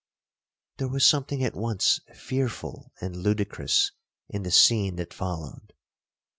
'There was something at once fearful and ludicrous in the scene that followed.